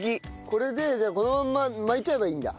これでじゃあこのまんま巻いちゃえばいいんだ。